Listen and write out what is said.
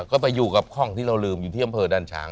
ก็ไปอยู่กับห้องที่เราลืมอยู่ที่อำเภอดันช้าง